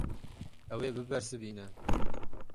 Ew ê bibersivîne.